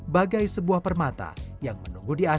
bagai sebuah permata yang menunggu dialog